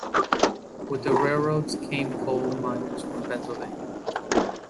With the railroads came coal miners from Pennsylvania.